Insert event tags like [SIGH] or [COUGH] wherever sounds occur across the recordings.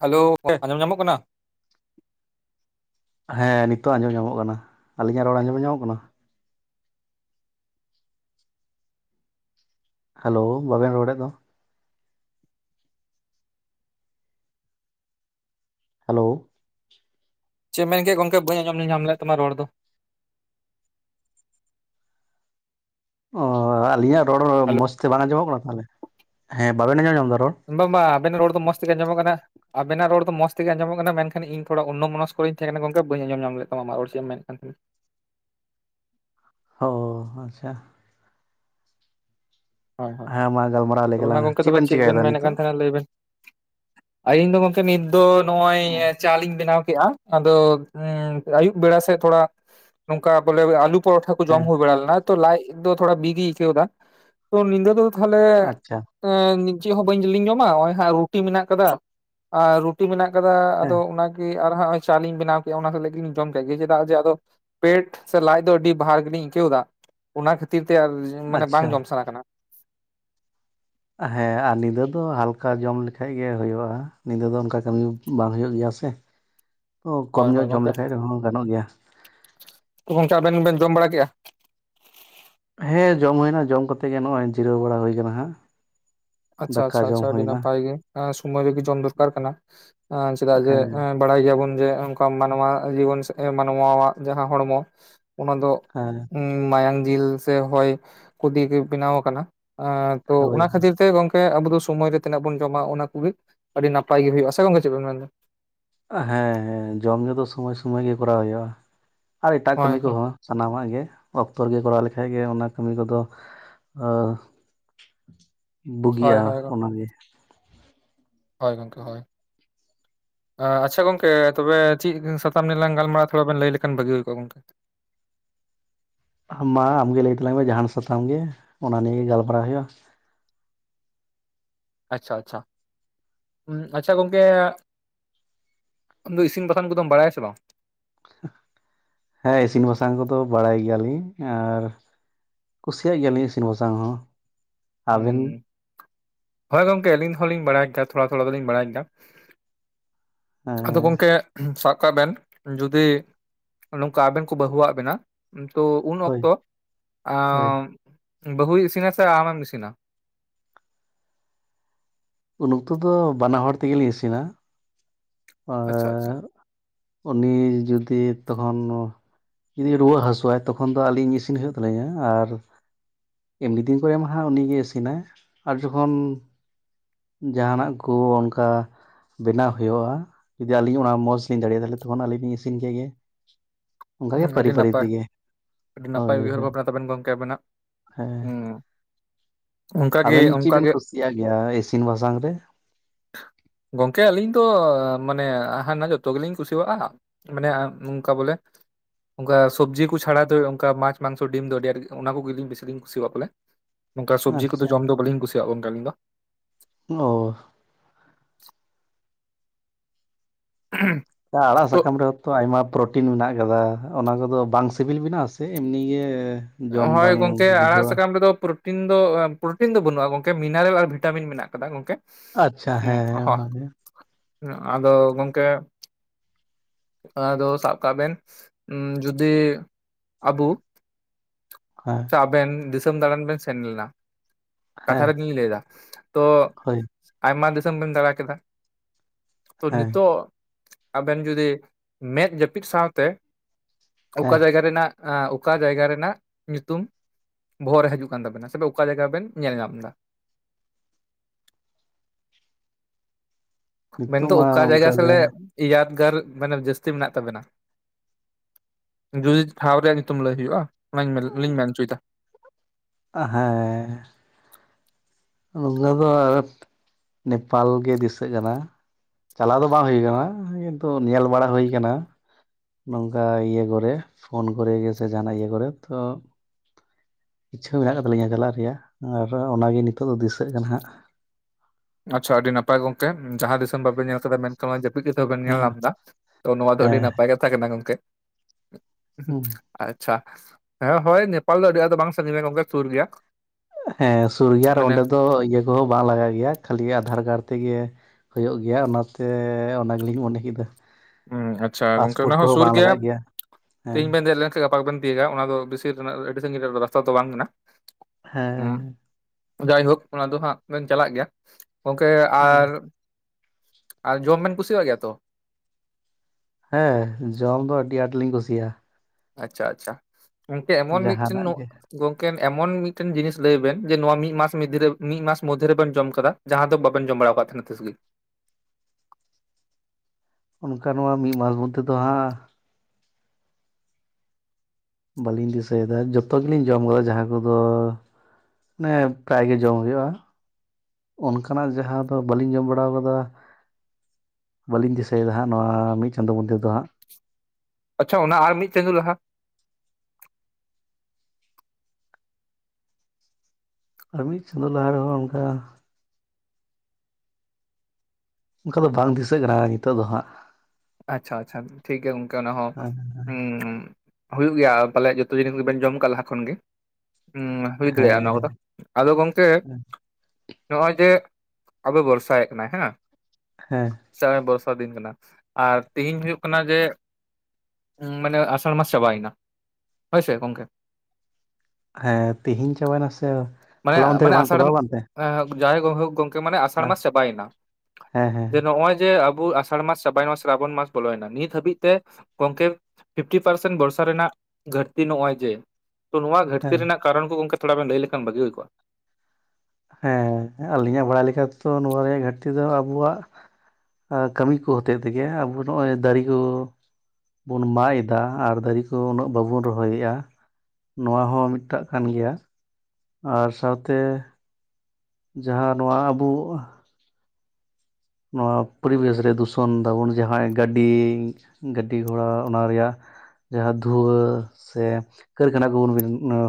Hello ᱜᱚᱝᱠᱮ ᱟᱸᱡᱚᱢ ᱧᱟᱢᱚᱜ ᱠᱟᱱᱟ? ᱦᱮᱸ ᱱᱤᱛᱚᱜ ᱟᱸᱡᱚᱢ ᱧᱟᱢᱚᱜ ᱠᱟᱱᱟ, ᱟᱞᱤᱧᱟᱜ ᱨᱚᱲ ᱟᱸᱡᱚᱢ ᱵᱮᱱ ᱧᱟᱢᱚᱜ ᱠᱟᱱᱟ? ᱦᱮᱞᱳᱣ ᱵᱟᱵᱮᱱ ᱨᱚᱲᱮᱫ ᱫᱚ᱾ ᱦᱮᱞᱳᱣ᱾ ᱪᱮᱫ ᱢᱮᱱ ᱠᱮᱜ ᱜᱚᱝᱠᱮ ᱵᱟᱹᱧ ᱟᱸᱡᱚᱢ ᱧᱟᱢ ᱞᱮᱫ ᱛᱟᱢᱟ ᱨᱚᱲ ᱫᱚ᱾ ᱚᱻ ᱟᱹᱞᱤᱧᱟᱜ ᱨᱚᱲ ᱦᱮᱞᱳ ᱢᱚᱸᱡᱽ ᱛᱮ ᱵᱟᱝ ᱟᱸᱡᱚᱢᱚᱜ ᱠᱟᱱᱟ ᱛᱟᱦᱚᱞᱮ, ᱦᱮᱸ ᱵᱟᱵᱮᱱ ᱟᱸᱡᱚᱢ ᱧᱟᱢᱫᱟ ᱨᱚᱲ? ᱵᱟᱝ ᱵᱟᱝ ᱟᱵᱮᱱᱟᱜ ᱨᱚᱲ ᱫᱚ ᱢᱚᱸᱡᱽ ᱛᱮᱜᱮ ᱟᱸᱡᱚᱢᱚᱜ ᱠᱟᱱᱟ᱾ ᱟᱵᱮᱱᱟᱜ ᱨᱚᱲ ᱫᱚ ᱢᱚᱥ ᱛᱮᱜᱮ ᱟᱸᱚᱢᱚᱜ ᱠᱟᱱᱟ ᱢᱮᱱᱠᱷᱟᱱ ᱤᱧ ᱛᱷᱚᱲᱟ ᱚᱱᱱᱚᱢᱚᱱᱚᱥ ᱠᱚ ᱨᱮᱧ ᱛᱟᱦᱮᱸ ᱠᱟᱱᱟ ᱜᱚᱝᱠᱮ ᱵᱟᱹᱧ ᱟᱸᱡᱚᱢ ᱧᱟᱢ ᱞᱮᱫ ᱛᱟᱢᱟ ᱟᱢᱟᱜ ᱨᱚᱲ ᱪᱮᱫ ᱮᱢ ᱢᱮᱱ [INAUDIBLE] ᱦᱳᱣᱻ ᱟᱪᱪᱷᱟ᱾ ᱦᱳᱭ ᱦᱳᱭ ᱦᱮᱸ ᱦᱳᱭ, ᱢᱟ ᱜᱟᱞᱢᱟᱨᱟᱣ ᱞᱮᱜᱮ ᱞᱟᱝ, ᱪᱮᱫ ᱵᱮᱱ ᱪᱮᱠᱟᱹᱭᱮᱫᱟ ᱱᱤᱛᱚᱜ? ᱦᱮᱸ ᱞᱟᱹᱭ ᱵᱮᱱ᱾ [INAUDIBLE] ᱟᱹᱞᱤᱧ ᱫᱚ ᱜᱚᱝᱠᱮ ᱱᱤᱛ ᱫᱚ ᱱᱚᱜᱼᱚᱭ ᱪᱟ ᱞᱤᱧ ᱵᱮᱱᱟᱣ ᱠᱮᱜᱼᱟ, ᱟᱫᱚ ᱮᱸ ᱟᱭᱩᱵ ᱵᱮᱲᱟ ᱥᱮᱫ ᱛᱷᱚᱲᱟ, ᱱᱚᱝᱠᱟ ᱵᱚᱞᱮ ᱟᱞᱩ ᱯᱚᱨᱚᱴᱷᱟ ᱠᱚ ᱡᱚᱢ ᱦᱮᱸ ᱦᱩᱭ ᱵᱟᱲᱟ ᱞᱮᱱᱟ ᱛᱚ ᱞᱟᱡ ᱫᱚ ᱛᱷᱚᱲᱟ ᱵᱤ ᱜᱤ ᱟᱹᱭᱠᱟᱹᱣ ᱮᱫᱟ᱾ ᱛᱚ ᱱᱤᱫᱟᱹ ᱫᱚ ᱛᱟᱦᱚᱞᱮ, ᱟᱪᱪᱷᱟ ᱮᱸᱻ ᱪᱮᱫ ᱦᱚᱸ ᱵᱟᱹᱧ ᱞᱤᱧ ᱡᱚᱢᱟ ᱦᱚᱸᱜᱼᱚᱭ ᱦᱟᱸᱜ ᱨᱩᱴᱤ ᱢᱮᱱᱟᱜ ᱠᱟᱫᱟ, ᱟ ᱨᱩᱴᱤ ᱢᱮᱱᱟᱜ ᱠᱟᱫᱟ ᱟᱫᱚ ᱦᱮᱸ ᱚᱱᱟ ᱜᱮ ᱟᱨ ᱦᱟᱸᱜ ᱦᱚᱸᱜᱼᱚᱭ ᱪᱟ ᱞᱤᱧ ᱵᱮᱱᱟᱣ ᱠᱮᱜᱼᱟ ᱚᱱᱟ ᱥᱟᱞᱟᱜ ᱜᱮᱞᱤᱧ ᱡᱚᱢ ᱠᱮᱫ ᱜᱮ ᱪᱮᱫᱟᱜ ᱡᱮ ᱟᱫᱚ ᱯᱮᱴ ᱥᱮ ᱞᱟᱡ ᱫᱚ ᱟᱹᱰᱤ ᱵᱟᱦᱟᱨ ᱜᱮᱞᱤᱧ ᱟᱹᱭᱠᱟᱹᱣ ᱮᱫᱟ, ᱚᱱᱟ ᱠᱷᱟᱹᱛᱤᱨ ᱛᱮ ᱟᱨ ᱢᱟᱱᱮ ᱟᱪᱪᱷᱟ ᱵᱟᱝ ᱡᱚᱢ ᱥᱟᱱᱟ ᱠᱟᱱᱟ᱾ ᱦᱮᱸ ᱟᱨ ᱱᱤᱫᱟᱹ ᱫᱚ ᱦᱟᱞᱠᱟ ᱡᱚᱢ ᱞᱮᱠᱷᱟ ᱴᱷᱮᱡ ᱜᱮ ᱦᱩᱭᱩᱜᱼᱟ, ᱱᱤᱫᱟᱹ ᱫᱚ ᱚᱱᱠᱟ ᱠᱟᱹᱢᱤ ᱵᱟᱝ ᱦᱩᱭᱩᱜ ᱜᱮᱭᱟ ᱥᱮ᱾ ᱚ ᱠᱚᱢ ᱦᱳᱭ ᱦᱳᱭ ᱧᱚᱜ ᱡᱚᱢ ᱜᱚᱝᱠᱮ ᱞᱮᱠᱷᱟᱡ ᱨᱮᱦᱚᱸ ᱜᱟᱱᱚᱜ ᱜᱮᱭᱟ᱾ ᱛᱚ ᱜᱚᱝᱠᱮ ᱟᱵᱮᱱ ᱵᱮᱱ ᱡᱚᱢ ᱵᱟᱲᱟ ᱠᱮᱜᱼᱟ? ᱦᱮᱸ ᱡᱚᱢ ᱦᱩᱭᱱᱟ ᱡᱚᱢ ᱠᱟᱛᱮᱜ ᱜᱮ ᱱᱚᱜ-ᱚᱭ ᱡᱤᱨᱟᱹᱣ ᱵᱟᱲᱟ ᱦᱩᱭ ᱠᱟᱱᱟ ᱦᱟᱸᱜ᱾ ᱟᱪᱪᱷᱟ ᱫᱟᱠᱟ ᱟᱪᱪᱷᱟ ᱡᱚᱢ ᱟᱪᱪᱷᱟ ᱟᱹᱰᱤ ᱦᱩᱭᱱᱟ ᱱᱟᱯᱟᱭ ᱜᱮ, ᱟᱸ ᱥᱚᱢᱚᱭ ᱨᱮᱜᱮ ᱡᱚᱢ ᱫᱚᱨᱠᱟᱨ ᱠᱟᱱᱟ, ᱟᱸ ᱪᱮᱫᱟᱜ ᱡᱮ ᱦᱮᱸ ᱵᱟᱲᱟᱭ ᱜᱮᱭᱟᱵᱚᱱ ᱡᱮ ᱚᱝᱠᱟ ᱢᱟᱱᱚᱣᱟ ᱡᱤᱵᱚᱱ ᱥᱮ ᱢᱟᱱᱣᱟᱣᱟᱜ ᱡᱟᱦᱟᱸ ᱦᱚᱲᱢᱚ, ᱚᱱᱟ ᱫᱚ ᱦᱮᱸ᱾ ᱢᱟᱭᱟᱝ ᱡᱤᱞ ᱥᱮ ᱦᱚᱭ ᱠᱚ ᱫᱤᱭᱮ ᱜᱮ ᱵᱮᱱᱟᱣ ᱟᱠᱟᱱᱟ, ᱟᱸ ᱛᱚ ᱦᱳᱭ ᱚᱱᱟ ᱠᱷᱟᱹᱛᱤᱨ ᱛᱮ ᱜᱚᱝᱠᱮ ᱟᱵᱚ ᱫᱚ ᱥᱚᱢᱳᱭ ᱨᱮ ᱛᱤᱱᱟᱹᱜ ᱵᱚᱱ ᱡᱚᱢᱟ ᱚᱱᱟ ᱠᱚᱜᱮ ᱟᱹᱰᱤ ᱱᱟᱯᱟᱭ ᱜᱮ ᱦᱩᱭᱩᱜᱼᱟ, ᱥᱮ ᱜᱚᱝᱠᱮ ᱪᱮᱫ ᱵᱤᱱ ᱢᱮᱱ ᱮᱫᱟ? ᱦᱮᱸ ᱦᱮᱸ ᱡᱚᱢ ᱧᱩ ᱫᱚ ᱥᱳᱢᱳᱭ ᱥᱳᱢᱚᱭ ᱜᱮ ᱠᱚᱨᱟᱣ ᱦᱩᱭᱩᱜᱼᱟ, ᱟᱨ ᱮᱴᱟᱜ ᱦᱳᱭ ᱠᱟᱹᱢᱤ ᱦᱳᱭ ᱠᱚᱦᱚᱸ᱾ ᱥᱟᱱᱟᱢᱟᱜ ᱜᱮ ᱚᱠᱛᱚ ᱨᱮᱜᱮ ᱠᱚᱨᱟᱣ ᱞᱮᱠᱷᱟᱡ ᱜᱮ ᱚᱱᱟ ᱠᱟᱹᱢᱤ ᱠᱚᱫᱚ ᱦᱳᱭ ᱵᱩᱜᱤᱭᱟ ᱦᱳᱭ ᱜᱚᱝ ᱚᱱᱟ ᱜᱮ᱾ ᱦᱳᱭ ᱜᱚᱝᱠᱮ ᱦᱳᱭ᱾ ᱟᱪᱪᱷᱟ ᱜᱚᱝᱠᱮ ᱛᱚᱵᱮ ᱪᱤᱜ ᱥᱟᱛᱟᱢ ᱱᱤᱭᱮ ᱞᱟᱝ ᱜᱟᱞᱢᱟᱨᱟᱣᱟ ᱛᱷᱚᱲᱟ ᱵᱤᱱ ᱞᱟᱹᱭ ᱞᱮᱠᱷᱟᱱ ᱵᱷᱟᱹᱜᱤ ᱦᱩᱭ ᱠᱚᱜᱼᱟ ᱜᱚᱝᱠᱮ᱾ ᱢᱟ ᱟᱢᱜᱮ ᱞᱟᱹᱭ ᱛᱟᱞᱟᱝ ᱢᱮ ᱡᱟᱦᱟᱱ ᱥᱟᱛᱟᱢ ᱜᱮ ᱚᱱᱟ ᱱᱤᱭᱮ ᱜᱮ ᱜᱟᱞᱢᱟᱨᱟᱣ ᱦᱩᱭᱩᱜᱼᱟ ᱟᱪᱪᱷᱟ ᱟᱪᱪᱷᱟ ᱟᱪᱪᱷᱟ ᱜᱚᱝᱠᱮ ᱟᱢᱫᱚ ᱤᱥᱤᱱ ᱵᱟᱥᱟᱝ ᱠᱚᱫᱚᱢ ᱵᱟᱲᱟᱭᱟ ᱥᱮ ᱵᱟᱝ? ᱦᱮᱸ ᱤᱥᱤᱱ ᱵᱟᱥᱟᱝ ᱠᱚᱫᱚ ᱵᱟᱲᱟᱭ ᱜᱮᱭᱟᱞᱤᱧ ᱟᱨ ᱠᱩᱥᱤᱭᱟᱜ ᱜᱮᱭᱟᱞᱤᱧ ᱤᱥᱤᱱ ᱵᱟᱥᱟᱝ ᱦᱚᱸ, ᱟᱵᱤᱱ? ᱩᱸ ᱦᱳᱭ ᱜᱚᱝᱠᱮ ᱟᱹᱞᱤᱧ ᱦᱚᱸᱞᱤᱧ ᱵᱟᱲᱟᱭ ᱜᱮᱭᱟ ᱛᱷᱚᱲᱟ ᱛᱷᱚᱲᱟ ᱫᱚᱞᱤᱧ ᱵᱟᱲᱟᱭ ᱜᱮᱭᱟ ᱟᱫᱚ ᱦᱮᱸ ᱜᱚᱝᱠᱮ ᱥᱟᱵ ᱠᱟᱜ ᱵᱮᱱ ᱡᱩᱫᱤ ᱱᱚᱝᱠᱟ ᱟᱵᱮᱱ ᱠᱚ ᱵᱟᱹᱦᱩᱟᱜ ᱵᱤᱱᱟ [UNINTELLIGIBLE] ᱩᱱ ᱦᱳᱭ ᱚᱠᱛᱚ ᱦᱳᱭ ᱟ ᱵᱟᱹᱦᱩᱭ ᱤᱥᱤᱱᱟᱭ ᱥᱮ ᱟᱢᱮᱢ ᱤᱥᱤᱱᱟ? ᱩᱱ ᱚᱠᱛᱚ ᱫᱚ ᱵᱟᱱᱟ ᱦᱚᱲ ᱛᱮᱜᱮᱞᱤᱧ ᱤᱥᱤᱱᱟ ᱟᱪᱪᱷᱟ ᱟᱪᱪᱷᱟ [UNINTELLIGIBLE] ᱩᱱᱤ ᱡᱩᱫᱤ ᱛᱚᱠᱷᱚᱱ ᱡᱩᱫᱤ ᱨᱩᱣᱟᱹ ᱦᱟᱹᱥᱩᱜᱟᱭ ᱛᱚᱠᱷᱚᱱ ᱫᱚ ᱟᱹᱞᱤᱧ ᱤᱥᱤᱱ ᱦᱩᱭᱩᱜ ᱛᱟᱹᱞᱤᱧᱟ ᱟᱨ ᱮᱢᱱᱤ ᱫᱤᱱ ᱠᱚᱨᱮᱢᱟ ᱦᱟᱸᱜ ᱩᱱᱤᱜᱮ ᱤᱥᱤᱱᱟᱭ ᱟᱨ ᱡᱚᱠᱷᱚᱱ ᱡᱟᱦᱟᱸᱱᱟᱜ ᱠᱚ ᱚᱱᱠᱟ ᱵᱮᱱᱟᱣ ᱦᱩᱭᱩᱜᱼᱟ ᱡᱩᱫᱤ ᱟᱹᱞᱤᱧ ᱚᱱᱟ ᱢᱚᱸᱡᱽ ᱞᱤᱧ ᱫᱟᱲᱮᱭᱟᱫᱟ [UNINTELLIGIBLE] ᱛᱚᱠᱷᱚᱱ ᱟᱞᱤᱧ ᱞᱤᱧ ᱤᱥᱤᱱ ᱠᱮᱜᱮ ᱚᱱᱠᱟᱜᱮ ᱦᱩᱸ ᱯᱟᱹᱨᱤ ᱟᱹᱰᱤ ᱯᱟᱹᱨᱤ ᱱᱟᱯᱟᱭ ᱛᱮᱜᱮ ᱟᱹᱰᱤ ᱦᱳᱭ ᱱᱟᱯᱟᱭ ᱦᱳᱭ ᱩᱭᱦᱟᱹᱨ ᱦᱮᱸ ᱵᱷᱟᱵᱱᱟ ᱛᱟᱵᱤᱱ ᱜᱚᱝᱠᱮ ᱟᱵᱤᱱᱟᱜ ᱦᱩᱸ ᱚᱱᱠᱟᱜᱮ ᱟᱵᱤᱱ ᱪᱮᱫ ᱵᱤᱱ ᱚᱱᱠᱟᱜᱮ ᱠᱩᱥᱤᱭᱟᱜ ᱜᱮᱭᱟ ᱤᱥᱤᱱ ᱵᱟᱥᱟᱝ ᱨᱮ? ᱜᱚᱝᱠᱮ ᱟᱹᱞᱤᱧ ᱫᱚ ᱢᱟᱱᱮ ᱦᱟᱱᱟ ᱡᱚᱛᱚ ᱜᱮᱞᱤᱧ ᱠᱩᱥᱤᱣᱟᱜᱼᱟ ᱢᱟᱱᱮ ᱱᱚᱝᱠᱟ ᱵᱚᱞᱮ ᱚᱱᱠᱟ ᱥᱚᱵᱽᱡᱤ ᱠᱚ ᱪᱷᱟᱲᱟ ᱫᱚ ᱚᱱᱠᱟ ᱢᱟᱪ ᱢᱟᱝᱥᱚ ᱰᱤᱢ ᱟᱹᱰᱤ ᱟᱸᱴ ᱚᱱᱟ ᱠᱚᱜᱮᱞᱤᱧ ᱵᱤᱥᱤᱞᱤᱧ ᱠᱩᱥᱤᱭᱟᱜᱼᱟ [UNINTELLIGIBLE] ᱱᱚᱝᱠᱟ ᱥᱚᱵᱡᱤ ᱠᱚᱫᱚ ᱟᱪᱪᱷᱟ ᱡᱚᱢ ᱫᱚ ᱵᱟᱹᱞᱤᱧ ᱠᱩᱥᱤᱭᱟᱜᱼᱟ ᱜᱚᱝᱠᱮ ᱟᱹᱞᱤᱧ ᱫᱚ ᱚ [UNINTELLIGIBLE] ᱟᱲᱟᱜ ᱛᱚ ᱥᱟᱠᱟᱢ ᱨᱮᱦᱚ ᱛᱚ ᱟᱭᱢᱟ ᱯᱚᱨᱚᱴᱤᱱ ᱢᱮᱱᱟᱜ ᱠᱟᱫᱟ ᱚᱱᱟ ᱠᱚᱫᱚ ᱵᱟᱝ ᱥᱤᱵᱤᱞ ᱵᱤᱱᱟ ᱥᱮ ᱮᱢᱱᱤ ᱜᱮ ᱡᱚᱢ ᱦᱳᱭ ᱵᱟᱝ ᱜᱚᱝᱠᱮ ᱟᱲᱟᱜ ᱵᱩᱡᱷᱟᱹᱣᱟ ᱥᱟᱠᱟᱢ ᱨᱮᱫᱚ ᱯᱚᱨᱚ ᱯᱨᱚᱴᱤᱱ ᱫᱚ ᱯᱚᱨᱳᱚᱴᱤᱱ ᱫᱚ ᱵᱟᱹᱱᱩᱜᱼᱟ ᱜᱚᱝᱠᱮ ᱢᱤᱱᱟᱨᱮᱞ ᱟᱨ ᱵᱷᱤᱴᱟᱢᱤᱱ ᱢᱮᱱᱟᱜ ᱠᱟᱫᱟ ᱜᱚᱝᱠᱮ ᱟᱪᱪᱷᱟ ᱦᱮᱸ ᱚᱱᱟᱜᱮ [UNINTELLIGIBLE] ᱟᱫᱚ ᱜᱚᱝᱠᱮ ᱟᱫᱚ ᱥᱟᱵ ᱠᱟᱜ ᱵᱤᱱ ᱡᱩᱫᱤ ᱟᱵᱩ ᱦᱮᱸ ᱟᱵᱮᱱ ᱫᱤᱥᱚᱢ ᱫᱟᱬᱟᱱ ᱵᱮᱱ ᱥᱮᱱ ᱞᱮᱱᱟ, ᱠᱟᱛᱷᱟ ᱦᱮᱸ ᱨᱮᱜᱮᱞᱤᱧ ᱞᱟᱹᱭᱫᱟ ᱛᱚ ᱦᱳᱭ ᱟᱭᱢᱟ ᱫᱤᱥᱚᱢ ᱵᱮᱢ ᱫᱟᱬᱟ ᱠᱮᱫᱟ ᱛᱚ ᱦᱮᱸ ᱱᱤᱛᱳᱜ ᱟᱵᱮᱱ ᱡᱩᱫᱤ ᱢᱮᱫ ᱡᱟᱹᱯᱤᱫ ᱥᱟᱶᱛᱮ ᱚᱠᱟ ᱦᱮᱸ ᱡᱟᱭᱜᱟ ᱨᱮᱱᱟᱜ ᱟᱸᱻ ᱚᱠᱟ ᱡᱟᱭᱜᱟ ᱨᱮᱱᱟᱜ ᱧᱩᱛᱩᱢ ᱵᱚᱦᱚᱜ ᱨᱮ ᱦᱤᱡᱩᱜ ᱠᱟᱱ ᱛᱟᱵᱤᱱᱟ ᱥᱮ ᱚᱠᱟ ᱡᱟᱭᱜᱟ ᱵᱤᱱ ᱧᱮᱞ ᱧᱟᱢᱫᱟ ᱱᱤᱛᱚᱜ ᱢᱮᱱᱫᱚ ᱫᱚ ᱢᱟ ᱚᱠᱟ ᱡᱟᱭᱜᱟ ᱚᱱᱠᱟᱜᱮ ᱥᱟᱞᱮ ᱤᱭᱟᱹᱫᱜᱟᱨ ᱢᱟᱱᱮ ᱡᱟᱹᱥᱛᱤ ᱢᱮᱱᱟᱜ ᱛᱟᱵᱤᱱᱟ? ᱡᱩᱫᱤ ᱴᱷᱟᱶ ᱨᱮᱭᱟᱜ ᱧᱩᱛᱩᱢ ᱞᱟᱹᱭ ᱦᱩᱭᱩᱜᱼᱟ ᱚᱱᱟᱧ ᱢᱮᱱ ᱦᱚᱪᱚᱭᱮᱫᱟ ᱦᱮᱸ ᱱᱚᱝᱠᱟ ᱫᱚ [UNINTELLIGIBLE] ᱱᱮᱯᱟᱞ ᱜᱮ ᱫᱤᱥᱟᱹᱜ ᱠᱟᱱᱟ᱾ ᱪᱟᱞᱟᱣ ᱫᱚ ᱵᱟᱝ ᱦᱩᱭ ᱠᱟᱱᱟ, ᱠᱤᱱᱛᱩ ᱧᱮᱞ ᱵᱟᱲᱟ ᱦᱩᱭ ᱠᱟᱱᱟ᱾ ᱱᱚᱝᱠᱟ ᱤᱭᱟᱹ ᱠᱚᱨᱮ ᱯᱷᱳᱱ ᱠᱚᱨᱮ ᱜᱮ ᱥᱮ ᱡᱟᱦᱟᱸᱱᱟᱜ ᱤᱭᱟᱹ ᱠᱚᱨᱮ ᱛᱚ ᱤᱪᱪᱷᱟᱹ ᱢᱮᱱᱟᱜ ᱠᱟᱜ ᱛᱟᱞᱤᱧᱟ ᱪᱟᱞᱟᱜ ᱨᱮᱭᱟᱜ ᱟᱨ ᱚᱱᱟᱜᱮ ᱱᱤᱛᱚᱜ ᱫᱚ ᱫᱤᱥᱟᱹᱜ ᱠᱟᱱᱟ ᱦᱟᱸᱜ ᱟᱪᱪᱷᱟ ᱟᱹᱰᱤ ᱱᱟᱯᱟᱭ ᱜᱚᱝᱠᱮ, ᱡᱟᱦᱟᱸ ᱫᱤᱥᱚᱢ ᱵᱟᱵᱮ ᱧᱮᱞ ᱠᱟᱫᱟ ᱢᱮᱱ [UNINTELLIGIBLE] ᱡᱟᱹᱯᱤᱫ ᱠᱟᱛᱮᱵᱮᱱ ᱧᱮᱞ ᱦᱟᱸᱜ ᱧᱟᱢᱫᱟ ᱛᱚ ᱱᱚᱣᱟ ᱫᱚ ᱟᱹᱰᱤ ᱦᱮᱸ ᱱᱟᱯᱟᱭ ᱠᱟᱛᱷᱟ ᱠᱟᱱᱟ ᱜᱚᱢᱠᱮ᱾ ᱟᱪᱪᱷᱟ ᱦᱮᱸ ᱦᱳᱭ ᱱᱮᱯᱟᱞ ᱫᱚ ᱟᱹᱰᱤ ᱟᱸᱴ ᱫᱚ ᱵᱟᱝ ᱥᱟᱺᱜᱤᱧᱟ ᱜᱚᱝᱠᱮ ᱥᱩᱨ ᱜᱮᱭᱟ᱾ ᱦᱮᱸ ᱥᱩᱨ ᱜᱮ ᱟᱨ ᱢᱟᱱᱮ ᱚᱸᱰᱮ ᱫᱚ ᱤᱭᱟᱹ ᱠᱚᱦᱚᱸ ᱵᱟᱝ ᱞᱟᱜᱟᱜ ᱜᱮᱭᱟ ᱠᱷᱟᱹᱞᱤ ᱟᱫᱷᱟᱨ ᱠᱟᱨᱰ ᱛᱮᱜᱮ, ᱦᱩᱭᱩᱜ ᱜᱮᱭᱟ ᱚᱱᱟᱛᱮ ᱚᱱᱟ ᱜᱮᱞᱤᱧ ᱢᱚᱱᱮ ᱠᱮᱫᱟ᱾ ᱦᱩᱸ ᱟᱪᱪᱷᱟ ᱜᱚᱝᱠᱮ ᱯᱟᱥᱯᱳᱨᱴ ᱚᱱᱟ ᱦᱚᱸ ᱠᱚᱦᱚᱸ ᱥᱩᱨ ᱵᱟᱝ ᱜᱮᱭᱟ, ᱞᱟᱜᱟᱜ ᱦᱮᱸ ᱛᱮᱦᱤᱧ ᱵᱮᱱ ᱫᱮᱜᱞᱮᱱ ᱜᱟᱯᱟ ᱜᱮ ᱵᱮᱱ ᱛᱤᱭᱳᱜᱟ ᱚᱱᱟ ᱫᱚ ᱵᱤᱥᱤᱨ ᱨᱮᱱᱟᱜ ᱟᱹᱰᱤ ᱥᱟᱺᱜᱤ ᱨᱟᱥᱛᱟ ᱫᱚ ᱵᱟᱝ ᱠᱟᱱᱟ᱾ ᱦᱮᱸ ᱦᱮᱸ᱾ ᱡᱟᱭᱦᱳᱠ ᱚᱱᱟ ᱫᱚ ᱦᱟᱸᱜ ᱵᱮᱱ ᱪᱟᱞᱟᱜ ᱜᱮᱭᱟ, ᱜᱚᱝᱠᱮ ᱟᱨ ᱟᱨ ᱡᱚᱢ ᱵᱮᱱ ᱠᱩᱥᱤᱣᱟᱜ ᱜᱮᱭᱟ ᱛᱚ? ᱦᱮᱸ ᱡᱚᱢ ᱫᱚ ᱟᱹᱰᱤ ᱟᱸᱴ ᱞᱤᱧ ᱠᱩᱥᱤᱭᱟᱜᱼᱟ᱾ ᱟᱪᱪᱷᱟ ᱟᱪᱪᱷᱟ, ᱜᱚᱝᱠᱮ ᱮᱢᱚᱱ ᱢᱤᱫᱴᱤᱱ ᱡᱟᱦᱟᱱᱟᱜ ᱱᱩᱜ ᱜᱮ ᱜᱚᱝᱠᱮ ᱮᱢᱚᱱ ᱢᱤᱫᱴᱤᱱ ᱡᱤᱱᱤᱥ ᱞᱟᱹᱭ ᱵᱮᱱ, ᱡᱮ ᱱᱚᱣᱟ ᱢᱤᱫ ᱢᱟᱥ ᱢᱤᱫᱤᱱ ᱨᱮ, ᱢᱤᱫ ᱢᱟᱥ ᱢᱚᱫᱷᱮ ᱨᱮ ᱨᱮᱵᱮᱱ ᱡᱚᱢ ᱠᱟᱫᱟ? ᱡᱟᱦᱟᱸ ᱫᱚ ᱵᱟᱵᱮᱱ ᱡᱚᱢ ᱵᱟᱲᱟᱣ ᱠᱟᱫ ᱛᱟᱦᱮᱱᱟ ᱛᱤᱥ ᱜᱮ ᱚᱱᱠᱟ ᱱᱚᱣᱟ ᱢᱤᱫ ᱢᱟᱥ ᱢᱚᱫᱽᱫᱷᱮ ᱫᱚ ᱦᱟᱸᱜ, ᱵᱟᱹᱞᱤᱧ ᱫᱤᱥᱟᱹᱭᱮᱫᱟ, ᱡᱚᱛᱚ ᱜᱮᱞᱤᱧ ᱡᱚᱢ ᱠᱟᱫᱟ ᱡᱟᱦᱟᱸ ᱠᱚᱫᱚ, ᱟᱱᱮ ᱯᱨᱟᱭ ᱜᱮ ᱡᱚᱢ ᱦᱩᱭᱩᱜᱼᱟ᱾ ᱚᱱᱠᱟᱱᱟᱜ ᱡᱟᱦᱟᱸ ᱫᱚ ᱵᱟᱹᱞᱤᱧ ᱡᱚᱢ ᱵᱟᱲᱟᱣ ᱟᱠᱟᱫᱟ᱾ ᱵᱟᱹᱞᱤᱧ ᱫᱤᱥᱟᱹᱭᱮᱫᱟ ᱦᱟᱸᱜ ᱱᱚᱣᱟ ᱢᱤᱫ ᱪᱟᱸᱫᱚᱳ ᱢᱚᱱᱫᱷᱮ ᱫᱚ ᱦᱟᱸᱜ᱾ ᱟᱪᱪᱷᱟ ᱚᱱᱟ ᱟᱨ ᱢᱤᱫ ᱪᱟᱸᱫᱳ ᱞᱟᱦᱟ? ᱟᱨ ᱢᱤᱫ ᱪᱟᱸᱫᱳ ᱞᱟᱦᱟ ᱨᱮᱦᱚᱸ ᱚᱱᱠᱟ, ᱚᱱᱠᱟ ᱫᱚ ᱵᱟᱝ ᱫᱤᱥᱟᱹᱜ ᱠᱟᱱᱟ ᱱᱤᱛᱚᱜ ᱫᱚ ᱦᱟᱸᱜ᱾ ᱟᱪᱪᱷᱟ ᱟᱪᱪᱷᱟ ᱴᱷᱤᱠ ᱜᱮᱭᱟ ᱜᱚᱝᱠᱮ ᱚᱱᱟ ᱦᱚᱸ ᱩᱸ ᱦᱩᱭᱩᱜ ᱜᱮᱭᱟ ᱯᱟᱞᱮᱜ ᱡᱚᱛᱚ ᱡᱤᱱᱤᱥ ᱜᱮ ᱵᱤᱱ ᱡᱚᱢ ᱠᱟᱜ-ᱟ ᱞᱟᱦᱟ ᱠᱷᱚᱱᱜᱮ, ᱦᱩᱸ ᱦᱩᱭ ᱫᱟᱲᱮᱭᱟᱜᱼᱟ ᱦᱮᱸ ᱚᱱᱟ ᱦᱮᱸ ᱠᱚᱫᱚ ᱟᱫᱚ ᱜᱚᱢᱠᱮ? ᱱᱚᱜ ᱚᱭ ᱡᱮ, ᱟᱫᱚᱭ ᱵᱷᱚᱨᱥᱟᱭᱮᱫ ᱠᱟᱱᱟᱭ ᱦᱮᱸ, ᱦᱮᱸ᱾ ᱪᱟᱭ ᱵᱚᱨᱥᱟ ᱫᱤᱱ ᱠᱟᱱᱟ, ᱟᱨ ᱛᱤᱦᱤᱧ ᱦᱩᱭᱩᱜ ᱠᱟᱱᱟ ᱡᱮ, ᱢᱟᱱᱮ ᱟᱥᱟᱲ ᱢᱟᱥ ᱪᱟᱵᱟ ᱭᱮᱱᱟ ᱦᱳᱭ ᱥᱮ ᱜᱚᱢᱠᱮ? ᱦᱮᱸ ᱛᱤᱦᱤᱧ ᱪᱟᱵᱟᱭᱮᱱᱟ ᱥᱮ ᱦᱚᱞᱟ ᱢᱟᱫᱷᱮᱨ ᱨᱮ ᱵᱟᱝ ᱪᱟᱵᱟᱣ ᱠᱟᱱ ᱛᱮ? ᱡᱟᱭᱦᱳᱠ ᱦᱳᱠ ᱜᱚᱝᱠᱮ ᱢᱟᱱᱮ ᱟᱥᱟᱲ ᱢᱟᱥ ᱪᱟᱵᱟᱭᱮᱱᱟ, ᱦᱮᱸ ᱦᱮᱸ ᱡᱮ ᱱᱚᱜ ᱚᱭ ᱡᱮ ᱟᱵᱚ ᱟᱥ ᱟᱥᱟᱲ ᱢᱟᱥ ᱪᱟᱵᱟᱭᱮᱱᱟ ᱥᱨᱟᱵᱚᱱ ᱢᱟᱥ ᱵᱚᱞᱚᱭᱮᱱᱟ ᱱᱤᱛ ᱦᱟᱹᱵᱤᱡ ᱛᱮ ᱜᱚᱝᱠᱮ, ᱯᱷᱤᱯᱴᱤ ᱯᱟᱨᱥᱮᱱ ᱵᱷᱚᱨᱥᱟ ᱨᱮᱱᱟᱜ, ᱜᱷᱟᱹᱨᱛᱤ ᱱᱚᱜᱼᱚᱭ ᱡᱮ, ᱛᱚ ᱱᱚᱣᱟ ᱜᱷᱟᱹᱴᱛᱤ ᱦᱮᱸ ᱨᱮᱱᱟᱜ ᱠᱟᱨᱚᱱ ᱠᱚ ᱜᱚᱝᱠᱮ ᱛᱷᱚᱲᱟ ᱵᱮᱱ ᱞᱟᱹᱭ ᱞᱮᱠᱷᱟᱱ ᱵᱟᱹᱜᱤ ᱦᱩᱭ ᱠᱚᱜᱼᱟ᱾ ᱦᱮᱸ ᱟᱹᱞᱤᱧᱟᱜ ᱵᱟᱲᱟᱭ ᱞᱮᱠᱟ ᱛᱮᱫᱚ ᱱᱚᱣᱟ ᱨᱮᱭᱟᱜ ᱜᱷᱟᱹᱴᱛᱤ ᱫᱚ ᱟᱵᱚᱣᱟᱜ, ᱠᱟᱹᱢᱤ ᱠᱚ ᱦᱚᱛᱮᱫ ᱛᱮᱜᱮ ᱟᱵᱚ ᱱᱚᱜᱼᱚᱭ ᱫᱟᱨᱮ ᱠᱚ, ᱵᱚᱱ ᱢᱟᱜ ᱮᱫᱟ ᱟᱨ ᱫᱟᱨᱮ ᱠᱚ ᱩᱱᱟᱹᱜ ᱵᱟᱵᱚᱱ ᱨᱚᱦᱚᱭᱮᱜᱼᱟ᱾ ᱱᱚᱣᱟ ᱦᱚᱸ ᱢᱤᱫᱴᱟᱜ ᱠᱟᱱ ᱜᱮᱭᱟ ᱟᱨ ᱥᱟᱶᱛᱮ, ᱡᱟᱦᱟᱸ ᱱᱚᱣᱟ ᱟᱵᱚ, ᱱᱚᱣᱟ ᱯᱚᱨᱤᱵᱮᱥ ᱨᱮ ᱫᱩᱥᱚᱱ ᱫᱟᱵᱚᱱ ᱡᱟᱦᱟᱸᱭ ᱜᱟᱹᱰᱤ, ᱜᱟᱹᱰᱤ ᱜᱷᱚᱲᱟ ᱚᱱᱟ ᱨᱮᱭᱟᱜ, ᱡᱟᱦᱟᱸ ᱫᱷᱩᱣᱟᱹ ᱥᱮ, ᱠᱟᱹᱨᱠᱷᱟᱱᱟ ᱜᱚᱵᱚᱱ ᱵᱤᱱ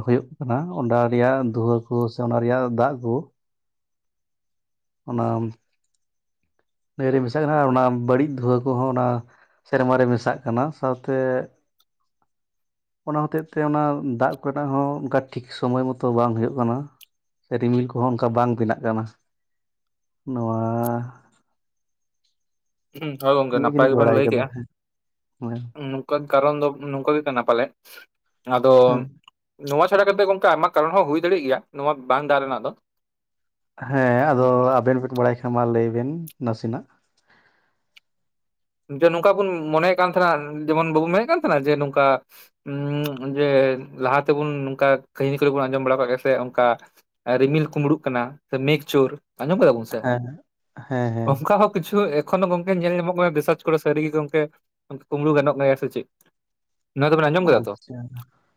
ᱦᱩᱭᱩᱜ ᱠᱟᱱᱟ ᱚᱱᱟ ᱨᱮᱭᱟᱜ ᱫᱷᱩᱦᱟᱹ ᱠᱚ ᱥᱮ ᱚᱱᱟ ᱨᱮᱭᱟᱜ ᱫᱟᱜ ᱠᱚ, ᱚᱱᱟᱢ ᱱᱟᱹᱭ ᱨᱮ ᱢᱮᱥᱟᱜ ᱠᱟᱱᱟ ᱚᱱᱟ ᱵᱟᱹᱲᱤᱡ ᱫᱷᱩᱣᱟᱹ ᱠᱚᱦᱚᱸ ᱚᱱᱟ ᱥᱮᱨᱢᱟᱨᱮ ᱢᱮᱥᱟᱜ ᱠᱟᱱᱟ ᱥᱟᱶᱛᱮ, ᱚᱱᱟ ᱦᱚᱛᱮᱡ ᱛᱮ ᱚᱱᱟ ᱫᱟᱜ ᱠᱚᱨᱮᱱᱟᱜ ᱦᱚᱸ ᱚᱱᱠᱟ ᱴᱷᱤᱠ ᱥᱚᱢᱚᱭ ᱢᱚᱛᱚ ᱵᱟᱝ ᱦᱩᱭᱩᱜ ᱠᱟᱱᱟ᱾ ᱥᱮ ᱨᱤᱢᱤᱞ ᱠᱚᱦᱚᱸ ᱚᱱᱠᱟ ᱵᱟᱝ ᱵᱮᱱᱟᱜ ᱠᱟᱱᱟ᱾ ᱱᱚᱣᱟ, ᱦᱩᱸ ᱦᱳᱭ ᱜᱚᱢᱠᱮ ᱱᱤᱭᱟᱹ ᱱᱟᱯᱟᱭ ᱜᱮᱞᱤᱧ ᱜᱮᱵᱮᱱ ᱵᱟᱲᱟᱭ ᱞᱟᱹᱭ ᱠᱟᱫᱟ ᱠᱮᱜ-ᱟ ᱱᱩ ᱣᱟᱜ ᱠᱟᱨᱚᱱ ᱫᱚ ᱱᱚᱝᱠᱟ ᱜᱮ ᱠᱟᱱᱟ ᱯᱟᱞᱮ ᱟᱫᱚ᱾ ᱦᱮᱸ ᱱᱚᱣᱟ ᱪᱷᱟᱰᱟ ᱠᱟᱛᱮ ᱜᱚᱢᱠᱮ ᱟᱭᱢᱟ ᱠᱟᱨᱚᱱ ᱦᱚᱸ ᱦᱩᱭ ᱫᱟᱲᱤᱜ ᱜᱮᱭᱟ ᱱᱚᱣᱟ ᱵᱟᱝ ᱫᱟᱜ ᱨᱮᱱᱟᱜ ᱫᱚ᱾ ᱦᱮᱸ ᱟᱫᱚ ᱟᱵᱮᱱ ᱵᱮᱱ ᱵᱟᱲᱟᱭ ᱠᱷᱟᱱ ᱢᱟ ᱞᱟᱹᱭ ᱵᱮᱱ ᱱᱟᱥᱤᱱᱟᱜ᱾ ᱡᱮ ᱱᱚᱝᱠᱟ ᱵᱚᱱ ᱢᱚᱱᱮᱭᱮᱜ ᱠᱟᱱ ᱛᱟᱦᱮᱱᱟ ᱡᱮᱢᱚᱱ ᱵᱟᱵᱩᱱ ᱢᱮᱱᱮᱜ ᱠᱟᱱ ᱛᱟᱦᱮᱱᱟ ᱡᱮ ᱱᱩᱝᱠᱟ᱾ ᱩᱸ ᱡᱮ ᱞᱟᱦᱟ ᱛᱮᱵᱚᱱ ᱱᱚᱝᱠᱟ ᱠᱟᱹᱦᱱᱤ ᱠᱚᱨᱮ ᱵᱚᱱ ᱟᱸᱡᱚᱢ ᱵᱟᱲᱟᱣ ᱠᱟᱜ ᱜᱮᱭᱟ ᱥᱮ ᱚᱝᱠᱟ᱾ ᱨᱤᱢᱤᱞ ᱠᱩᱢᱵᱽᱲᱩᱜ ᱠᱟᱱᱟ ᱥᱮ ᱢᱮᱜᱷᱪᱳᱨ᱾ ᱟᱸᱡᱚᱢ ᱠᱟᱫᱟᱵᱩᱱ ᱥᱮ ᱦᱮᱸ ᱦᱮᱸ ᱦᱮᱸ ᱚᱝᱠᱟ ᱦᱚᱸ ᱠᱤᱪᱷᱩ ᱮᱸ ᱮᱠᱷᱚᱱᱳ ᱜᱚᱝᱠᱮ ᱧᱮᱞ ᱧᱟᱢᱚᱜ ᱠᱟᱱᱟ ᱨᱤᱥᱟᱪ ᱠᱚᱨᱮ ᱥᱟᱹᱨᱤᱜᱮ ᱜᱚᱝᱠᱮ ᱠᱩᱢᱵᱽᱲᱩ ᱜᱟᱱᱚᱜ ᱜᱮᱭᱟ ᱥᱮ ᱪᱮᱜ᱾ ᱱᱚᱣᱟ ᱫᱚ ᱵᱤᱱ ᱟᱸᱡᱚᱢ ᱠᱮᱫᱟ ᱛᱚ᱾ [UNINTELLIGIBLE]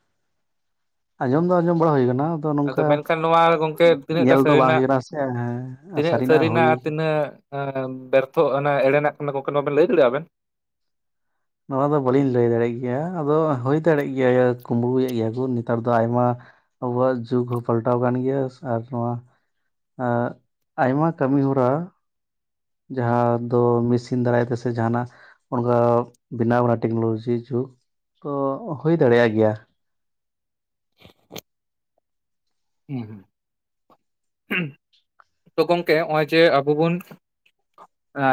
ᱟᱸᱡᱚᱢ ᱫᱚ ᱟᱸᱡᱚᱢ ᱵᱟᱲᱟ ᱦᱩᱭ ᱠᱟᱱᱟ᱾ ᱟᱫᱚ ᱢᱮᱱᱠᱷᱟᱱ ᱱᱚᱣᱟ ᱜᱚᱝᱠᱮ ᱛᱤᱱᱟᱹᱜᱴᱟ ᱧᱮᱞ ᱫᱚ ᱵᱟᱝ ᱥᱟᱹᱨᱤᱱᱟᱜ ᱦᱩᱭ ᱠᱟᱱᱟ ᱥᱮ ᱦᱮᱸ ᱛᱤᱱᱟᱹᱜ ᱥᱟᱹᱨᱤᱱᱟᱜ ᱦᱩᱭ ᱟᱨ ᱛᱤᱱᱟᱹᱜ᱾ ᱮᱸ ᱵᱮᱨᱛᱷᱚ ᱚᱱᱮ ᱮᱲᱮᱱᱟᱜ ᱠᱟᱱᱟ ᱜᱚᱝᱠᱮ ᱱᱚᱣᱟ ᱵᱮᱱ ᱞᱟᱹᱭ ᱫᱟᱲᱮᱜ ᱟᱵᱮᱱ᱾ ᱱᱚᱣᱟ ᱫᱚ ᱵᱟᱹᱞᱤᱧ ᱞᱟᱹᱭ ᱫᱟᱲᱤᱜ ᱜᱮᱭᱟ ᱟᱫᱚ ᱦᱩᱭ ᱫᱟᱲᱮᱜ ᱜᱮᱭᱟ ᱭᱟ ᱠᱩᱢᱵᱽᱲᱩᱭᱮᱜ ᱜᱮᱭᱟ ᱠᱩ ᱱᱮᱛᱟᱨ ᱫᱚ ᱟᱭᱢᱟ᱾ ᱟᱵᱚᱣᱟᱜ ᱡᱩᱜᱽ ᱦᱚᱸ ᱯᱟᱞᱴᱟᱣ ᱠᱟᱱ ᱜᱮᱭᱟ ᱥᱮ ᱟᱨ ᱱᱚᱣᱟ᱾ ᱮᱻ ᱟᱭᱢᱟ ᱠᱟᱹᱢᱤ ᱦᱚᱨᱟ᱾ ᱡᱟᱸᱦᱟ ᱫᱚ ᱢᱮᱥᱤᱱ ᱫᱟᱨᱟᱭ ᱛᱮᱥᱮ ᱡᱟᱸᱦᱟᱱᱟᱜ᱾ ᱚᱱᱠᱟ ᱵᱮᱱᱟᱣ ᱠᱟᱱᱟ ᱴᱮᱠᱱᱳᱞᱚᱡᱤ ᱡᱩᱜᱽ ᱛᱚ ᱦᱩᱭ ᱫᱟᱲᱮᱭᱟᱜ ᱜᱮᱭᱟ᱾ [INAUDIBLE] [UNINTELLIGIBLE] ᱦᱩᱸ ᱛᱚ ᱜᱚᱝᱠᱮ ᱚᱸᱜ-ᱚᱭ ᱡᱮ ᱟᱵᱚ ᱵᱚᱱ ᱮᱻ᱾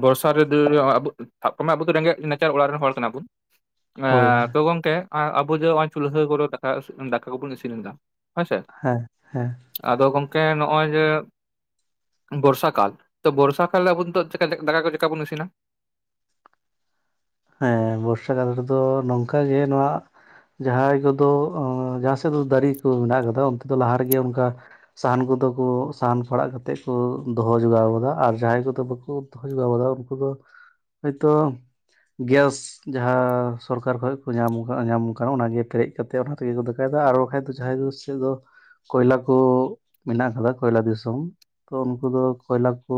ᱵᱚᱨᱥᱟ ᱨᱮ ᱫᱟᱹᱲ [UNINTELLIGIBLE] ᱥᱟᱵ ᱠᱟᱜ ᱢᱮ ᱟᱵᱩ ᱫᱚ ᱨᱮᱸᱜᱮᱡ ᱱᱟᱪᱟᱨ ᱚᱲᱟᱜ ᱨᱮᱱ ᱦᱚᱲ ᱠᱟᱱᱟ ᱵᱩᱱ᱾ ᱮᱻ ᱦᱳᱭ ᱛᱚ ᱜᱚᱝᱠᱮ ᱟᱵᱚ ᱡᱮ ᱚᱸᱜ-ᱚᱭ ᱪᱩᱞᱦᱟᱹ ᱠᱚᱨᱮ ᱫᱟᱠᱟ ᱫᱟᱠᱟ ᱠᱚᱵᱚᱱ ᱤᱥᱤᱱ ᱮᱫᱟ ᱦᱳᱭ ᱥᱮ᱾ ᱦᱮᱸ ᱦᱮᱸ᱾ ᱟᱫᱚ ᱜᱚᱢᱠᱮ ᱱ ᱚᱸᱜ-ᱚᱭ ᱡᱮ ᱵᱚᱨᱥᱟ ᱠᱟᱞ ᱛᱚ ᱵᱚᱨᱥᱟ ᱠᱟᱞ ᱨᱮ ᱟᱵᱚ ᱱᱤᱛᱚᱜ ᱪᱮᱠᱟ ᱫᱟᱠᱟ ᱠᱚ ᱪᱮᱠᱟ ᱵᱚᱱ ᱤᱥᱤᱱᱟ᱾ ᱦᱮᱸ ᱵᱚᱨᱥᱟ ᱠᱟᱞ ᱨᱮᱫᱚ ᱱᱚᱝᱠᱟ ᱜᱮ ᱱᱚᱣᱟ᱾ ᱡᱟᱸᱦᱟᱭ ᱠᱚᱫᱚ ᱡᱟᱸᱦᱟ ᱥᱮᱫ ᱫᱚ ᱫᱟᱨᱤ ᱠᱩ ᱢᱮᱱᱟᱜ ᱠᱟᱫᱟ ᱚᱱᱛᱮ ᱫᱚ ᱞᱟᱦᱟ ᱨᱮᱜᱮ ᱚᱱᱠᱟ᱾ ᱥᱟᱦᱟᱱ ᱠᱚᱫᱚ ᱠᱩ ᱥᱟᱦᱟᱱ ᱯᱟᱲᱟᱜ ᱠᱟᱛᱮ ᱠᱩ ᱫᱚᱦᱚ ᱡᱚᱜᱟᱣ ᱠᱟᱫᱟ ᱟᱨ ᱡᱟᱸᱦᱟᱭ ᱠᱚᱫᱚ ᱵᱟᱠᱩ᱾ [UNINTELLIGIBLE] ᱡᱩᱜᱟᱣ ᱠᱟᱫᱟ ᱩᱱᱠᱩ ᱫᱚ ᱦᱚᱭᱛᱚ᱾ ᱜᱮᱥ᱾ ᱡᱟᱸᱦᱟ ᱥᱚᱨᱠᱟᱨ ᱠᱷᱚᱡ ᱠᱩ ᱧᱟᱢ ᱠᱟᱜ-ᱟ ᱧᱟᱢ ᱠᱟᱱᱟ ᱚᱱᱟᱜᱮ ᱯᱮᱨᱮᱡ ᱠᱟᱛᱮ ᱚᱱᱟ ᱛᱮᱜᱮ ᱠᱩ ᱫᱟᱠᱟᱭᱫᱟ ᱟᱨ ᱵᱟᱠᱷᱟᱡ ᱫᱚ ᱡᱟᱦᱟᱸᱭ᱾ ᱛᱮᱫᱚ᱾ ᱠᱚᱭᱞᱟ ᱠᱩ ᱢᱮᱱᱟᱜ ᱠᱟᱫᱟ ᱠᱚᱭᱞᱟ ᱫᱤᱥᱚᱢ ᱛᱚ ᱩᱱᱠᱩ ᱫᱚ ᱠᱚᱭᱞᱟ ᱠᱩ᱾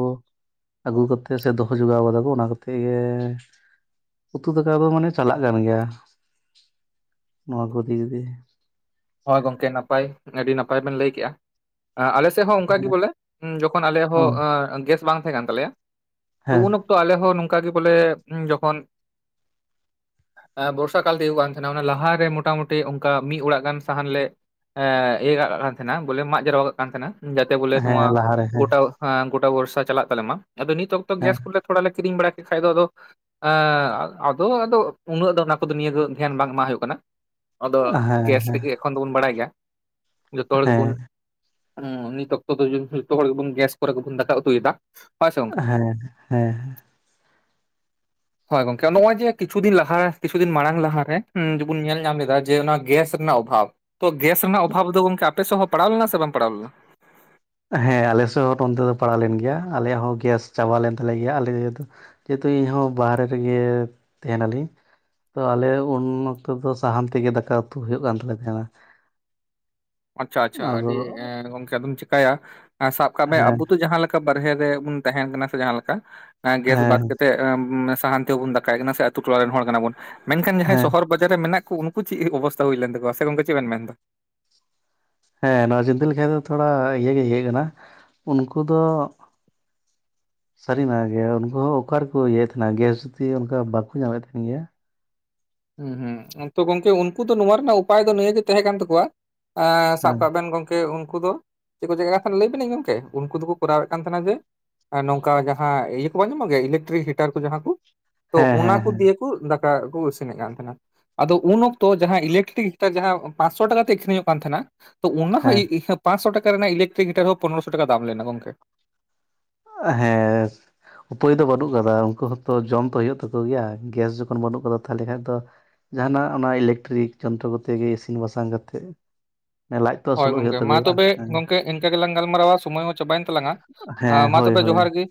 ᱟᱜᱩ ᱠᱟᱛᱮᱜ ᱥᱮ ᱫᱚᱦᱚ ᱡᱚᱜᱟᱣ ᱠᱟᱫᱟ ᱠᱩ ᱚᱱᱟ ᱠᱚ ᱛᱮᱜᱮ᱾ ᱩᱛᱩ ᱫᱟᱠᱟ ᱫᱚ ᱢᱟᱱᱮ ᱪᱟᱞᱟᱜ ᱠᱟᱱ ᱜᱮᱭᱟ ᱱᱚᱣᱟ ᱠᱚ ᱫᱤᱠ ᱫᱤᱭᱮ᱾ ᱦᱚᱭ ᱜᱚᱝᱠᱮ ᱱᱟᱯᱟᱭ ᱟᱹᱰᱤ ᱱᱟᱯᱟᱭ ᱵᱮᱱ ᱞᱟᱹᱭ ᱠᱮᱜ-ᱟ ᱟᱸ ᱟᱞᱮ᱾ ᱛᱮᱦᱚᱸ ᱚᱝᱠᱟ ᱜᱤ ᱵᱚᱞᱮ ᱡᱚᱠᱷᱚᱱ ᱟᱞᱮᱭᱟᱜ ᱦᱚᱸ ᱜᱮᱥ ᱵᱟᱝ ᱛᱟᱦᱮ ᱠᱟᱱ ᱛᱟᱞᱮᱭᱟ ᱛᱚ ᱦᱮᱸ ᱩᱱ ᱚ ᱛᱚ ᱟᱞᱮ ᱦᱚᱸ ᱱᱚᱝᱠᱟ ᱜᱤ ᱵᱚᱞᱮ ᱡᱚᱠᱷᱚᱱ᱾ ᱮᱸ ᱵᱚᱨᱥᱟ ᱠᱟᱞ ᱛᱤᱭᱳᱜᱚᱜ ᱠᱟᱱ ᱛᱟᱦᱮᱱᱟ ᱚᱱᱟ ᱞᱟᱦᱟᱨᱮ ᱢᱚᱴᱟᱢᱩᱴᱤ ᱚᱱᱠᱟ ᱢᱤᱜ ᱚᱲᱟᱜ ᱜᱟᱱ᱾ ᱥᱟᱦᱟᱱ ᱞᱮ ᱮᱻ ᱤᱭᱟᱹ ᱠᱟᱜ ᱠᱟᱱ ᱛᱟᱦᱮᱱᱟ ᱵᱚᱞᱮ ᱢᱟᱜ ᱡᱟᱨᱣᱟ ᱠᱟᱜ ᱠᱟᱱ ᱛᱟᱦᱮᱱᱟ᱾ ᱡᱟᱛᱮ ᱵᱚᱞᱮ ᱦᱮᱸ ᱱᱚᱣᱟ ᱞᱟᱦᱟᱨᱮ ᱦᱮᱸ ᱜᱚᱴᱟ ᱮᱸ ᱜᱚᱴᱟ ᱵᱚᱨᱥᱟ ᱪᱟᱞᱟᱜ ᱛᱟᱞᱮ ᱢᱟ ᱟᱫᱚ ᱱᱤᱛ ᱚᱠᱛᱚ ᱦᱮᱸ ᱜᱮᱥ ᱠᱩᱞᱮ ᱛᱷᱚᱲᱟ ᱞᱮ ᱠᱤᱨᱤᱧ ᱵᱟᱲᱟ ᱠᱮᱜ ᱠᱷᱟᱡ ᱫᱚ ᱟᱫᱚ᱾ ᱮᱸᱜᱻ ᱟᱫᱚ ᱟᱫᱚ ᱩᱱᱟᱹᱜ ᱫᱚ ᱚᱱᱟ ᱠᱚᱫᱚ ᱱᱤᱭᱟᱹ ᱫᱚ ᱫᱷᱮᱭᱟᱱ ᱵᱟᱝ ᱮᱢᱟᱜ ᱦᱳᱭᱳᱜ ᱠᱟᱱᱟ᱾ ᱟᱫᱚ ᱦᱮᱸ ᱜᱮᱥ ᱨᱮᱜᱮ ᱦᱮᱸ ᱮᱠᱷᱚᱱ ᱫᱚᱵᱚᱱ ᱵᱟᱲᱟᱭ ᱜᱮᱭᱟ᱾ ᱡᱚᱛᱚ ᱦᱚᱲ ᱜᱮᱵᱩᱱ ᱦᱮᱸ ᱦᱩᱸ ᱱᱤᱛ ᱚᱠᱛᱚ ᱫᱚ ᱡᱚᱛᱚ ᱦᱚᱲ ᱜᱮᱵᱩᱱ ᱜᱮᱥ ᱠᱚᱨᱮ ᱜᱮᱵᱚᱱ ᱫᱟᱠᱟ ᱩᱛᱩᱭᱮᱫᱟ᱾ ᱦᱚᱭ ᱥᱮ ᱜᱚᱝᱠᱮ᱾ ᱦᱮᱸ ᱦᱮᱸ [INAUDIBLE] ᱦᱳᱭ ᱜᱚᱝᱠᱮ ᱟ ᱱᱚᱜ-ᱚᱭ ᱡᱮ ᱠᱤᱪᱩ ᱫᱤᱱ ᱞᱟᱦ ᱠᱤᱪᱷᱩ ᱫᱤᱱ ᱢᱟᱝ ᱞᱟᱦᱟᱨᱮ ᱡᱮᱵᱩᱱ ᱧᱮᱞ ᱧᱟᱢ ᱞᱮᱫᱟ ᱡᱮ ᱚᱱᱟ ᱜᱮᱥ ᱨᱮᱱᱟᱜ ᱚᱵ ᱵᱷᱟᱵ ᱛᱚ ᱜᱮᱥ ᱨᱮᱱᱟᱜ ᱚᱵᱷᱟᱵᱽ ᱫᱚ ᱜᱚᱝᱠᱮ ᱟᱯᱮᱥᱮᱫ ᱦᱚᱸ ᱯᱟᱲᱟᱣ ᱞᱮᱱᱟ ᱥᱮ ᱵᱟᱝ ᱯᱟᱲᱟᱣ ᱞᱮᱱᱟ? ᱦᱮᱸ ᱟᱞᱮ ᱥᱮᱫ ᱦᱚᱸ ᱱᱚᱱᱛᱮ ᱫᱚ ᱯᱟᱲᱟᱣ ᱞᱮᱱ ᱜᱮᱭᱟ᱾ ᱟᱞᱮᱭᱟᱜ ᱦᱚᱸ ᱜᱮᱥ ᱪᱟᱵᱟ ᱞᱮᱱ ᱛᱟᱞᱮ ᱜᱮᱭᱟ ᱟᱞᱮ ᱫ ᱡᱮᱦᱮᱛᱩ ᱤᱧᱦᱚᱸ ᱵᱟᱦᱨᱮ ᱨᱮᱜᱮ ᱛᱟᱦᱮᱱᱟᱞᱤᱧ᱾ ᱛᱚ ᱟᱞᱮ ᱩᱱ ᱚᱠᱛᱚ ᱫᱚ ᱥᱟᱦᱟᱱ ᱛᱮᱜᱮ ᱫᱟᱠᱟ ᱩᱛᱩ ᱦᱩᱭᱩᱜ ᱠᱟᱱ ᱛᱟᱞᱮ ᱛᱟᱦᱮᱸᱱᱟ᱾ ᱟᱪᱪᱷᱟ ᱟᱪᱪᱷᱟ ᱟᱫᱚ ᱟᱹᱰᱤ ᱮᱸ ᱜᱚᱝᱠᱮ ᱟᱫᱚᱢ ᱪᱮᱠᱟᱭᱭᱟ᱾ ᱥᱟᱵ ᱠᱟᱜ ᱢᱮ ᱦᱮᱸ ᱟᱵᱩ ᱛᱚ ᱡᱟᱦᱟᱸ ᱞᱮᱠ ᱠᱟ ᱵᱟᱨᱦᱮ ᱨᱮ ᱵᱩᱱ ᱛᱟᱦᱮᱱ ᱠᱟᱱᱟ ᱥᱮ ᱡᱟᱦᱟᱸ ᱞᱮᱠᱟ᱾ ᱮᱸ ᱜᱮᱥ ᱵᱟᱫ ᱦᱮᱸ ᱠᱟᱛᱮᱫ ᱮ ᱢᱟᱱᱮ ᱥᱟᱦᱟᱱ ᱛᱮᱵᱚᱱ ᱫᱟᱠᱟᱭ ᱠᱟᱱᱟ ᱥᱮ ᱟᱛ ᱴᱚᱞᱟ ᱨᱮᱱ ᱦᱚᱲ ᱠᱟᱱᱟ ᱵᱚᱱ᱾ ᱢᱮᱱᱠᱷᱟᱱ ᱡᱟᱸᱦᱟᱭ ᱦᱮᱸ ᱥᱚᱦᱚᱨ ᱵᱟᱡᱟᱨ ᱨᱮ ᱢᱮᱱᱟᱜ ᱠᱚ ᱩᱱᱠᱩ ᱪᱮᱫ ᱚᱵᱚᱥᱛᱟ ᱦᱩᱭ ᱞᱮᱱ ᱛᱟᱠᱚᱣᱟ᱾ ᱥᱮ ᱜᱚᱝᱠᱮ ᱪᱮᱫ ᱵᱮᱱ ᱢᱮᱱ ᱫᱟ? ᱦᱮᱸ ᱱᱚᱣᱟ ᱪᱤᱱᱛᱟᱹ ᱞᱮᱠᱷᱟᱡ ᱫᱚ ᱛᱷᱚᱲᱟ ᱤᱭᱟᱹ ᱜᱮ ᱤᱭᱟᱹᱜ ᱠᱟᱱᱟ᱾ ᱩᱱᱠᱩ ᱫᱚ ᱥᱟᱹᱨᱤᱱᱟ ᱜᱮ ᱩᱱᱠᱩ ᱦᱚᱸ ᱚᱠᱟᱮᱠᱚ ᱤᱭᱟᱹᱭᱮᱫ ᱛᱟᱦᱮᱱᱟ ᱜᱮᱥ ᱡᱩᱫᱤ ᱚᱱᱠᱟ ᱵᱟᱠᱚ ᱧᱟᱢᱮᱫ ᱛᱟᱦᱮᱱ ᱜᱮᱭᱟ? ᱦᱩᱸ ᱦᱩᱸ᱾ ᱛᱚ ᱜᱚᱝᱠᱮ ᱩᱱᱠᱩ ᱫᱚ ᱱᱚᱶᱟ ᱨᱮᱱᱟᱜ ᱩᱯᱟᱭ ᱫᱚ ᱱᱤᱭᱟᱹᱜ ᱜᱮ ᱛᱟᱦᱮᱸ ᱠᱟᱱ ᱛᱟᱠᱚᱣᱟ ᱮᱸ ᱥᱟᱵ ᱦᱮᱸ ᱠᱟᱜ ᱵᱮᱱ ᱜᱚᱢᱠᱮ ᱩᱱᱠᱩ ᱫᱚ ᱪᱮᱫ ᱠᱚ ᱪᱟᱠᱟᱜᱠᱟᱱ ᱛᱟᱦᱮᱱᱟ ᱞᱟᱹᱭ ᱟᱵᱤᱹᱱᱟᱹᱧ ᱜᱚᱢᱠᱮ? ᱩᱱᱠᱩ ᱫᱚᱠᱚ ᱠᱚᱨᱟᱣᱮᱫ ᱠᱟᱱ ᱛᱟᱦᱮᱱᱟ ᱡᱮ ᱮ ᱱᱚᱝᱠᱟ ᱡᱟᱦᱟᱸ ᱤᱭᱟᱹ ᱠᱚ ᱵᱟᱝ ᱧᱟᱢᱚᱜ ᱜᱮᱭᱟ᱾ ᱤᱞᱮᱠᱴᱨᱤᱠ ᱦᱤᱴᱟᱨ ᱠᱚ ᱡᱟᱦᱟᱸ ᱠᱚ᱾ ᱛᱚ ᱦᱮᱸ ᱚᱱᱟ ᱦᱮᱸ ᱠᱚ ᱦᱮᱸ ᱫᱤᱭᱮ ᱠᱚ ᱫᱟᱠᱟ ᱠᱩ ᱤᱥᱱ ᱥᱤᱱᱜ ᱠᱟᱱ ᱛᱟᱦᱮᱱᱟᱠᱚ᱾ ᱟᱫᱚ ᱩᱱ ᱚᱠᱛᱚ ᱡᱟᱦᱟᱸ ᱤᱞᱮᱠᱴᱨᱤᱠ ᱦᱤᱴᱟᱨ ᱡᱟᱦᱟᱸ ᱯᱟᱸᱥᱥᱚ ᱴᱟᱠᱟ ᱛᱮ ᱟᱹᱠᱷᱨᱤᱧᱚᱜ ᱠᱟᱱ ᱛᱟᱦᱮᱱᱟ ᱚ ᱚᱱᱟ ᱦᱚᱸ ᱦᱮᱸ ᱤ-ᱤᱦᱟᱹ ᱯᱟᱥᱪᱥᱚ ᱴᱟᱠᱟ ᱨᱮᱱᱟᱜ ᱤᱞᱠᱴᱨᱤᱤᱠ ᱦᱤᱴᱟᱨ ᱦᱚᱸ ᱯᱚᱱᱮᱨᱚᱚᱥᱚ ᱴᱟᱠᱟ ᱫᱟᱢ ᱞᱮᱱᱟ ᱜᱚᱝᱠᱮ᱾ ᱦᱮᱸ᱾ ᱩᱯᱟᱹᱭ ᱫᱚ ᱵᱟᱹᱱᱩᱜ ᱠᱟᱫᱟ᱾ ᱩᱱᱠᱩ ᱦᱚᱸᱛᱚ ᱡᱚᱢ ᱛᱚ ᱦᱩᱭᱩᱜ ᱛᱟᱠᱚ ᱜᱮᱭᱟ᱾ ᱜᱮᱥ ᱡᱚᱠᱷᱚᱱ ᱵᱟᱹᱱᱩᱜ ᱠᱟᱫᱟ ᱛᱟᱦᱚᱞᱮ ᱠᱷᱟᱱ ᱫᱚ ᱡᱟᱦᱟᱱᱟᱜ ᱚᱱᱟ ᱤᱞᱮᱠᱴᱨᱤᱠ ᱡᱚᱱᱛᱨᱚ ᱠᱚᱛᱮ ᱜᱮ ᱤᱥᱤᱱ ᱵᱟᱥᱟᱝ ᱠᱟ ᱠᱟᱛᱮᱜ ᱦᱳᱭ ᱜᱚᱝᱠᱮ ᱢᱟ ᱛᱚᱵᱮ ᱜᱚᱝᱠᱮ ᱤᱱᱠᱟᱹ ᱜᱮᱞᱟᱝ ᱜᱟᱞᱢᱟᱨᱟᱣᱟ, ᱥᱳᱚᱢᱚᱭ ᱢᱟ ᱪᱟᱵᱟᱭᱮᱱ ᱛᱟᱞᱟᱝᱼᱟ᱾ ᱟ ᱦᱮᱸ ᱢᱟ ᱦᱳᱭ ᱛᱚᱵᱮ ᱦᱳᱭ ᱡᱚᱸᱦᱟᱨ ᱜᱮ᱾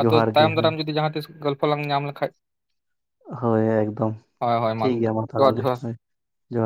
ᱟ ᱛᱚᱵᱮ ᱡᱚᱦᱟᱨ ᱜᱮ ᱛᱟᱭᱚᱢ ᱦᱳᱭ ᱫᱟᱨᱟᱢ ᱡᱚᱫᱤ ᱡᱟᱦᱟᱸ ᱛᱤᱥ ᱜᱚᱞᱯᱚ ᱞᱟᱝ ᱧᱟᱢ ᱞᱮᱠᱷᱷᱟᱡ ᱦᱳᱭ ᱦᱳᱭ ᱮᱠᱫᱚᱢ ᱴᱷᱤᱠ ᱜᱮᱭᱟ ᱜᱚᱝᱠᱮ ᱢᱟ ᱡᱚᱦᱟᱨ ᱛᱟᱦᱚᱞᱮ ᱡᱚᱦᱟᱨ ᱦᱳᱭ᱾ ᱡᱚᱦᱟᱨ